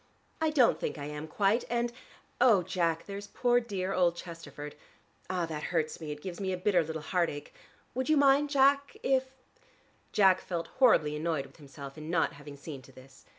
I don't think I am quite, and oh, Jack, there's poor dear old Chesterford. Ah, that hurts me; it gives me a bitter little heart ache. Would you mind, Jack, if " Jack felt horribly annoyed with himself in not having seen to this.